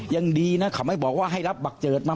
ยังดีนะเขาไม่บอกว่าให้รับบักเจิดมา